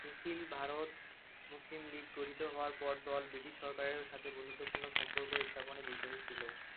নিখিল ভারত Muslim League গঠিত হওয়ার পর দল ব্রিটিশ সরকারের সাথে বন্ধুত্বপূর্ণ সম্পর্ক স্থাপনে বিশ্বাসী ছিল।